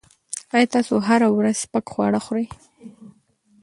ایا تاسو هره ورځ سپک خواړه خوري؟